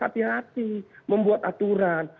hati hati membuat aturan